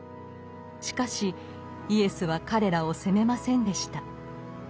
しかしイエスは彼らを責めませんでした。